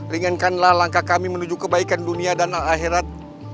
ringankanlah langkah kami menuju kebaikan dunia dan akhirat